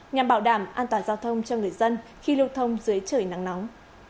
nhằm bảo đảm an toàn giao thông cho người dân khi lưu thông dưới trời nắng nóng